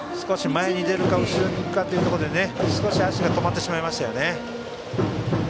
前に出るか後ろに行くかというところで少し足が止まってしまいましたね。